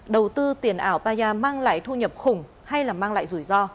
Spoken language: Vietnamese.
đầu tư tiền ảo paya mang lại thu nhập khủng hay là mang lại rủi ro